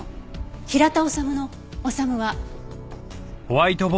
平田治の「治」は。